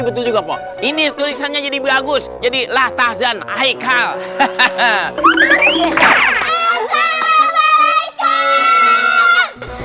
betul juga ini tulisannya jadi bagus jadi latar dan haikal hehehe waalaikumsalam